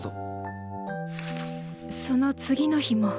その次の日も。